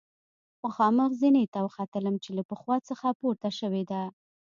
مخامخ زینې ته وختلم چې له پخوا څخه پورته شوې ده.